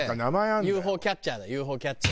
ＵＦＯキャッチャーだＵＦＯキャッチャー。